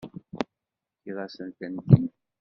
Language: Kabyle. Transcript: Tefkiḍ-asent-tent-id.